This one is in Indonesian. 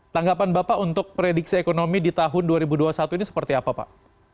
tanggapan bapak untuk prediksi ekonomi di tahun dua ribu dua puluh satu ini seperti apa pak